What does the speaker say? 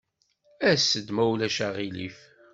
As-d, ma ulac aɣilif.